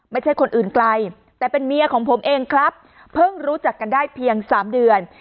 ไม่ใช่คนอื่นไกลแต่เป็นเมียของผมเองครับเพิ่งรู้จักกันได้เพียงสามเดือน